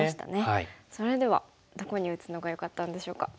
それではどこに打つのがよかったんでしょうか。